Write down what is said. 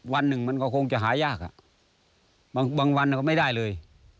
วันหนึ่งมันก็คงจะหายากบางวันก็ไม่ได้เลย